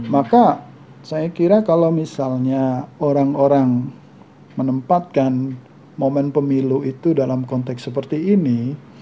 maka saya kira kalau misalnya orang orang menempatkan momen pemilu itu dalam konteks seperti ini